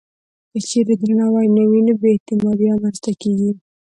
که چېرې درناوی نه وي، نو بې اعتمادي رامنځته کېږي.